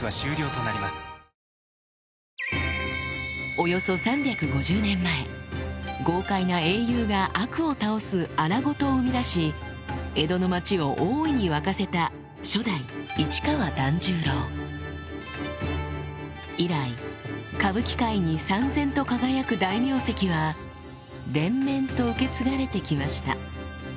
およそ３５０年前豪快な英雄が悪を倒す荒事を生み出し江戸の町を大いに沸かせた以来歌舞伎界にさんぜんと輝く大名跡は連綿と受け継がれて来ました